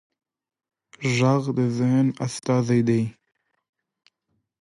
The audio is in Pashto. غږ د ذهن استازی دی